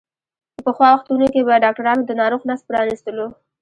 په پخوا وختونو کې به ډاکترانو د ناروغ نس پرانستلو.